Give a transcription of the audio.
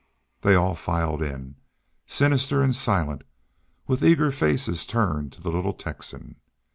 They all filed in, sinister and silent, with eager faces turned to the little Texan.